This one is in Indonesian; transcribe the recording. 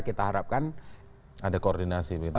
kita harapkan ada koordinasi